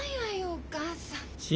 お母さん。